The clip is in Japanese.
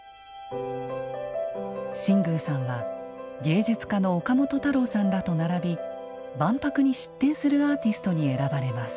新宮さんは芸術家の岡本太郎さんらと並び万博に出展するアーティストに選ばれます。